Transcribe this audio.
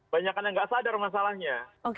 banyak yang tidak sadar masalahnya